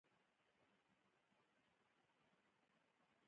یاقوت د افغان ماشومانو د زده کړې موضوع ده.